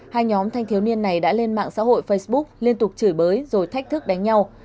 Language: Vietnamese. hai nhóm thanh thiếu niên này đã lên mạng xã hội facebook liên tục chửi bới rồi thách thức đánh nhau